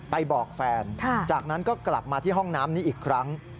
บอกแฟนจากนั้นก็กลับมาที่ห้องน้ำนี้อีกครั้ง